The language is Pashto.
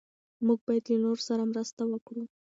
موږ باید له نورو سره مرسته وکړو.